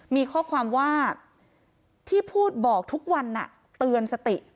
มีข้อความว่าที่พูดบอกทุกวันเตือนสติ